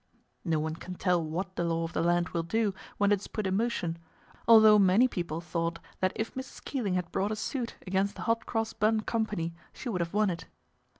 No one can tell what the law of the land will do when it is put in motion, although many people thought that if Mrs. Keeling had brought a suit against the Hot Cross Bun Company she would have won it.